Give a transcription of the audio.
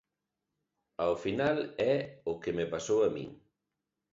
Ao final é o que me pasou a min.